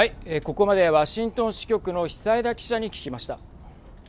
ここまでワシントン支局の久枝記者に聞きました。